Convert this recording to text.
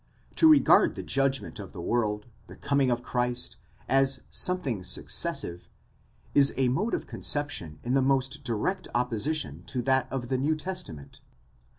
To regard the judgment of the world, the coming of Christ, as some thing successive, is a mode of conception in the most direct opposition to that of the New Testament.